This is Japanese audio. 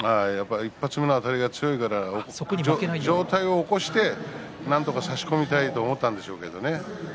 １発目の立ち合いが強いから上体を起こしてなんとか差し込みたいと思ったんでしょうけどね。